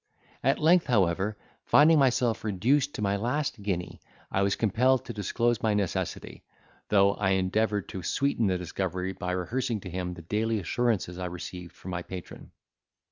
At length, however, finding myself reduced to my last guinea, I was compelled to disclose my necessity, though I endeavoured to sweeten the discovery by rehearsing to him the daily assurances I received from my patron.